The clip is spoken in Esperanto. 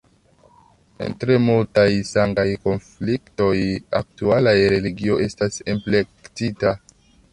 En tre multaj sangaj konfliktoj aktualaj religio estas enplektita.